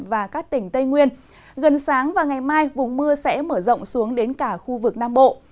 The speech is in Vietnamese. và các tỉnh tây nguyên gần sáng và ngày mai vùng mưa sẽ mở rộng xuống đến cả khu vực nam bộ